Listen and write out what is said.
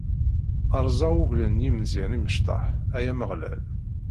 Rreẓ uglan n yizmawen imecṭaḥ, ay Ameɣlal!